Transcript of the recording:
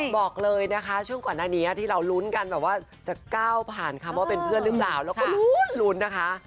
บอกเลยนะคะช่วงก่อนหน้านี้ที่เราลุ้นกันแบบว่าจะก้าวผ่านคำว่าเป็นเพื่อนหรือเปล่าแล้วก็ลุ้นนะคะ